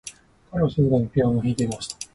彼は静かにピアノを弾いていました。